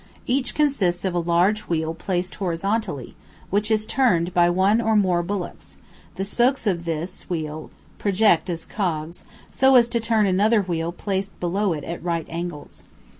Each consists of a large wheel placed horizontally, which is turned by one or more bullocks; the spokes of this wheel project as cogs, so as to turn another wheel placed below it at right angles.